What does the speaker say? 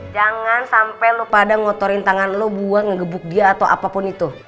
jangan sampai lo pada ngotorin tangan lo buang ngegebuk dia atau apapun itu